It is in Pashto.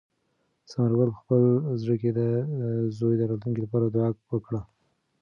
ثمر ګل په خپل زړه کې د زوی د راتلونکي لپاره دعا وکړه.